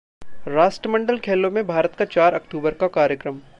राष्ट्रमंडल खेलों में भारत का चार अक्तूबर का कार्यक्रम